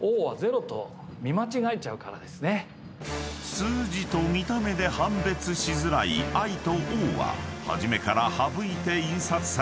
［数字と見た目で判別しづらい「Ｉ」と「Ｏ」は初めから省いて印刷されている］